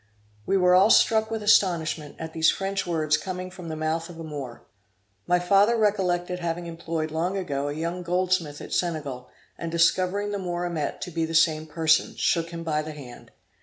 We were all struck with astonishment at these French words coming from the mouth of a Moor. My father recollected having employed long ago a young goldsmith at Senegal, and discovering the Moor Amet to be the same person, shook him by the hand.